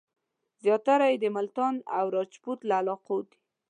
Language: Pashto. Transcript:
زیاتره یې د ملتان او راجپوت له علاقو دي.